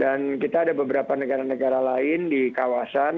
dan kita ada beberapa negara negara lain di kawasan